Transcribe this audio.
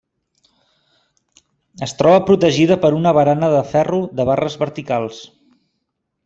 Es troba protegida per una barana de ferro de barres verticals.